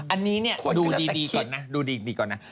อันนี้เนี่ยดูดีก่อนนะดูดีก่อนนะ